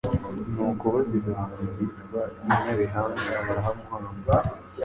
Nuko bageze ahantu hitwa i Nyabihanga barahamubamba'"